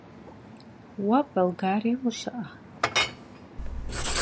Vue Bolgariêm yişı'a?